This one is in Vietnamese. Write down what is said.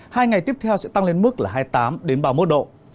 hai ngày tiếp theo sẽ tăng lên mức là hai mươi tám ba mươi một độ